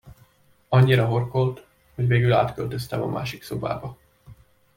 Annyira horkolt, hogy végül átköltöztem a másik szobába.